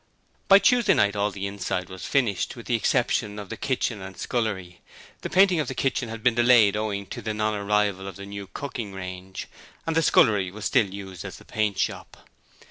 By Tuesday night all the inside was finished with the exception of the kitchen and scullery. The painting of the kitchen had been delayed owing to the non arrival of the new cooking range, and the scullery was still used as the paint shop.